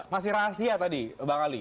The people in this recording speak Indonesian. masih rahasia tadi bang ali